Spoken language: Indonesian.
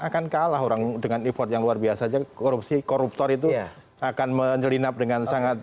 akan kalah orang dengan effort yang luar biasa korupsi koruptor itu akan menyelinap dengan sangat